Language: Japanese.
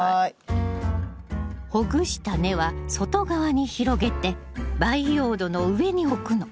ほぐした根は外側に広げて培養土の上に置くの。